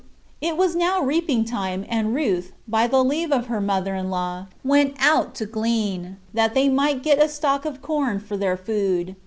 It was now reaping time; and Ruth, by the leave of her mother in law, went out to glean, that they might get a stock of corn for their food.